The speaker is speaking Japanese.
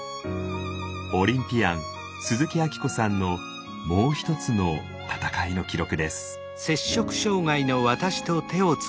オリンピアン鈴木明子さんのもう一つの戦いの記録です。